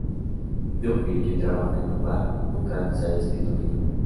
Duffy, quien trabajaba en un bar, nunca antes había escrito un guion.